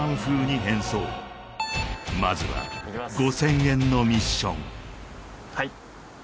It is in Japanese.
まずは５０００円のミッションはい